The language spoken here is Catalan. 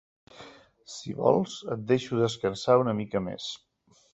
Si vols et deixo descansar una mica més.